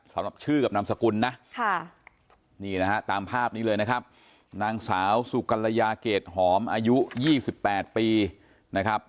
สำหรับชื่อกับนามสกุลนะค่ะนี่นะฮะตามภาพนี้เลยนะครับ